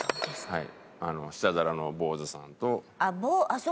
はい。